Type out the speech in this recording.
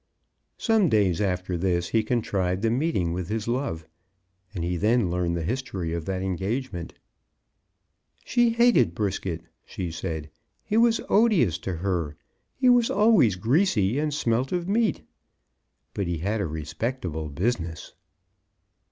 Some days after this he contrived a meeting with his love, and he then learned the history of that engagement. "She hated Brisket," she said. "He was odious to her. He was always greasy and smelt of meat; but he had a respectable business."